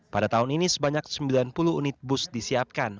pada tahun ini sebanyak sembilan puluh unit bus disiapkan